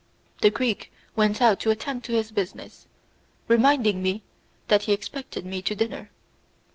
The Greek went out to attend to his business, reminding me that he expected me to dinner.